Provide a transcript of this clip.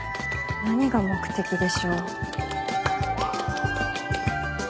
何が目的でしょう。